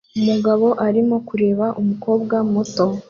Umugabo arimo kureba umukobwa muto